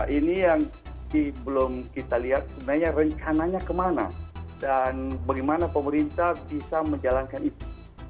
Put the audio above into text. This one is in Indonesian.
ini yang belum kita lihat sebenarnya rencananya kemana dan bagaimana pemerintah bisa menjalankan itu